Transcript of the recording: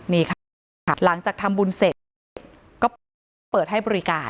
นี่ค่ะหลังจากทำบุญเสร็จก็เปิดให้บริการ